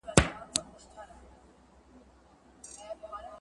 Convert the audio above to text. په ھرقیام کې مې د خپل مُراد سوالونه وکړل